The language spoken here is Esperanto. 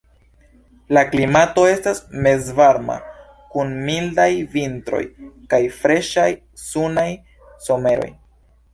La klimato estas mezvarma kun mildaj vintroj kaj freŝaj, sunaj someroj.